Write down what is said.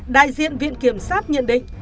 đại diện viện kiểm sát nhận định